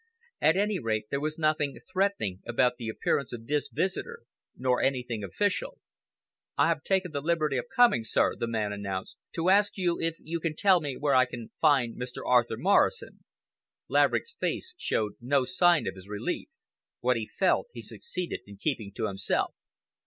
At any rate, there was nothing threatening about the appearance of this visitor—nor anything official. "I have taken the liberty of coming, sir," the man announced, "to ask you if you can tell me where I can find Mr. Arthur Morrison." Laverick's face showed no sign of his relief. What he felt he succeeded in keeping to himself.